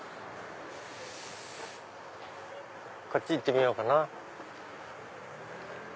こっち行ってみようかな。